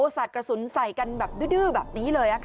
สัตว์กระสุนใส่กันอย่างเยอะตกใจ